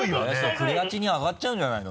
クレアチニン上がっちゃうんじゃないの？